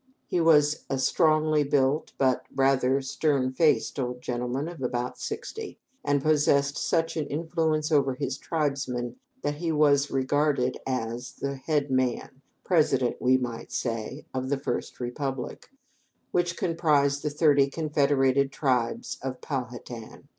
He was a strongly built but rather stern faced old gentleman of about sixty, and possessed such an influence over his tribesmen that he was regarded as the head man (president, we might say), of their forest republic, which comprised the thirty confederated tribes of Pow ha tan.